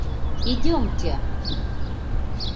Идёмте.